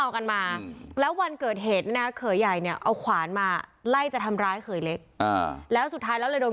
อธิบายไว้ก่อนเดี๋ยวคุณผู้ชมจะงง